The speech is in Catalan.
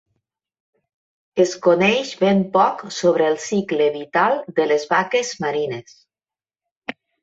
Es coneix ben poc sobre el cicle vital de les vaques marines.